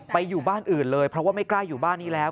อยู่บ้านอื่นเลยเพราะว่าไม่กล้าอยู่บ้านนี้แล้ว